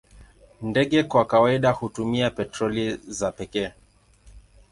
Ndege kwa kawaida hutumia petroli za pekee.